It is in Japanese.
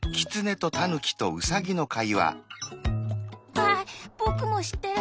ああぼくもしってる。